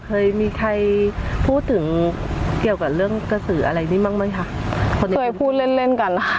เคยมีใครพูดถึงเกี่ยวกับเรื่องกระสืออะไรนี้บ้างไหมคะเคยพูดเล่นเล่นกันล่ะค่ะ